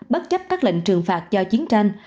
bất chấp các lệnh trừng phạt do chiến tranh